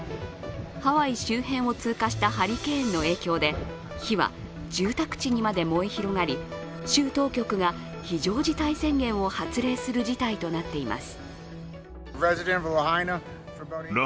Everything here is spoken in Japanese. ハワイ周辺を通過したハリケーンの影響で火は住宅地にまで燃え広がり州当局が非常事態宣言を発令する事態となっています。